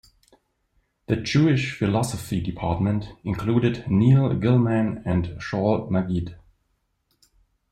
The Jewish Philosophy department included Neil Gillman and Shaul Magid.